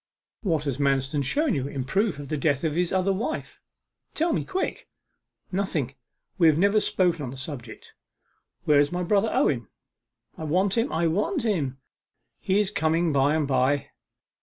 'What has Manston shown you in proof of the death of his other wife? Tell me quick.' 'Nothing we have never spoken of the subject. Where is my brother Owen? I want him, I want him!' 'He is coming by and by.